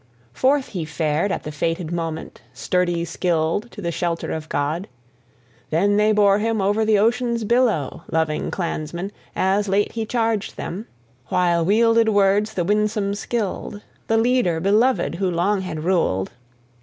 Forth he fared at the fated moment, sturdy Scyld to the shelter of God. Then they bore him over to ocean's billow, loving clansmen, as late he charged them, while wielded words the winsome Scyld, the leader beloved who long had ruled....